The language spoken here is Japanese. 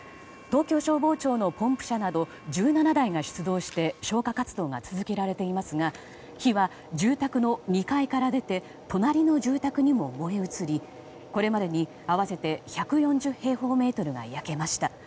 東京消防庁のポンプ車など１７台が出動して消火活動が続けられていますが火は住宅の２階から出て隣の住宅にも燃え移り、これまでに合わせて１４０平方メートルが焼けました。